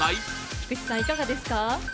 菊池さん、いかがですか？